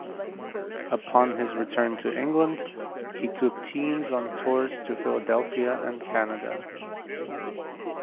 Upon his return to England he took teams on tours to Philadelphia and Canada.